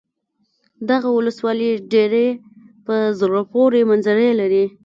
دغه ولسوالي ډېرې په زړه پورې منظرې لري.